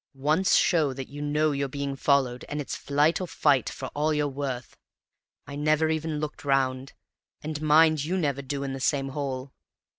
Once show that you know you're being followed, and it's flight or fight for all you're worth. I never even looked round; and mind you never do in the same hole.